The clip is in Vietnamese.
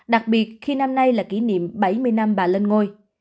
đặc biệt khi năm nay là kỷ niệm bảy mươi năm bà lên ngôi